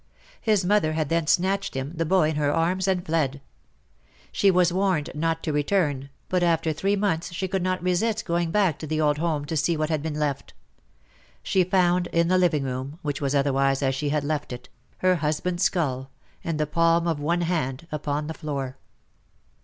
His mother had then snatched him — the boy — in her arms and fled. She was warned not to return, but after three months she could not resist going back to the old home to see what had been left. She found in the living room — which was otherwise as she had left it — her husband's skull and the palm of one hand upon the floor.